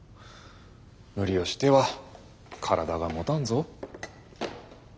無理をしては体がもたんぞ。